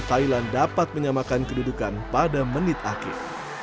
thailand dapat menyamakan kedudukan pada menit akhir